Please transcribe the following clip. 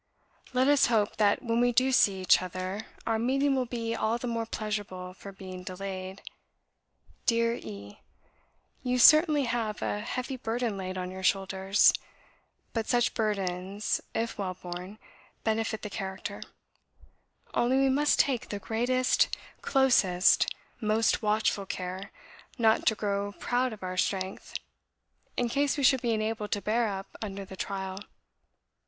Let us hope that when we do see each other our meeting will be all the more pleasurable for being delayed. Dear E , you certainly have a heavy burden laid on your shoulders, but such burdens, if well borne, benefit the character; only we must take the GREATEST, CLOSEST, MOST WATCHFUL care not to grow proud of our strength, in case we should be enabled to bear up under the trial.